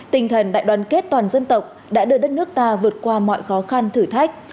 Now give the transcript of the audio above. tinh thần đại đoàn kết toàn dân tộc đã đưa đất nước ta vượt qua mọi khó khăn thử thách